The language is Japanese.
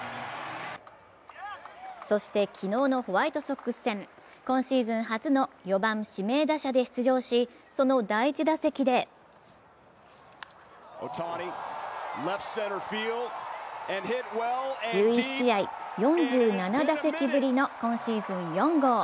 そして、昨日のホワイトソックス戦今シーズン初の４番・指名打者で出場しその第１打席で１１試合、４７打席ぶりの今シーズン４号。